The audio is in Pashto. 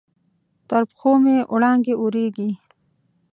تر پښو مې وړانګې اوریږې